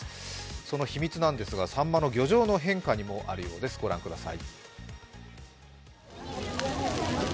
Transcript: その秘密ですが、さんまの漁場の変化にもあるようです、ご覧ください。